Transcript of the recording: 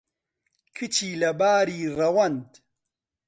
کچی لەباری ڕەوەند